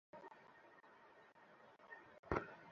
সে ভাবছে আমি মারা গেছি।